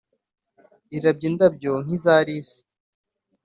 irabye indabyo nk’iza lisi,